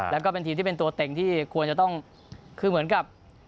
แล้วก็เป็นทีมที่เป็นตัวเต็งที่ควรจะต้องคือเหมือนกับ